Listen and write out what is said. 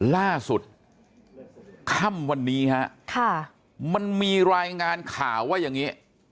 ล่าสุดค่ำวันนี้ฮะมันมีรายงานข่าวว่าอย่างนี้